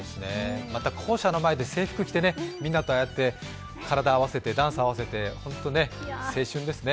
また校舎の前で制服着てみんなでああやって、体合わせてダンスを合わせて、ホントね、青春ですね。